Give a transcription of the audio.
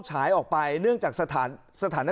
ขอให้กลับไปดูแลคุณพรศักดิ์สังแสง